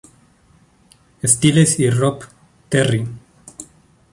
Styles y Rob Terry.